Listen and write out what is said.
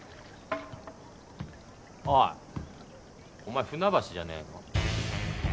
おいお前船橋じゃねえの？